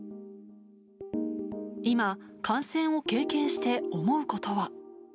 今、感染を経験して思うことは。